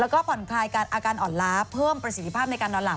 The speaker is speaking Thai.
แล้วก็ผ่อนคลายการอาการอ่อนล้าเพิ่มประสิทธิภาพในการนอนหลับ